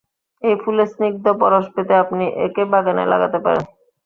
এই ফুলের স্নিগ্ধ পরশ পেতে আপনি একে বাগানে লাগাতে পারেন।